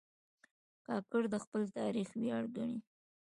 کاکړ د خپل تاریخ ویاړ ګڼي.